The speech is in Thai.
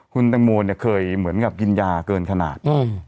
คุณตังโมเนี่ยเคยเหมือนกับกินยาเกินขนาด